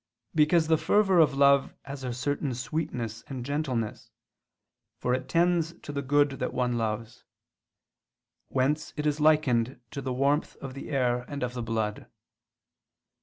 Because the fervor of love has a certain sweetness and gentleness; for it tends to the good that one loves: whence it is likened to the warmth of the air and of the blood.